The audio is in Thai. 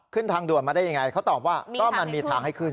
ทางด่วนมาได้ยังไงเขาตอบว่าก็มันมีทางให้ขึ้น